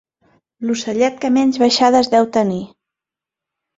L'ocellet que menys baixades deu tenir.